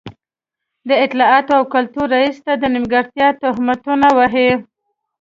د اطلاعاتو او کلتور رئيس ته د نیمګړتيا تهمتونه وهي.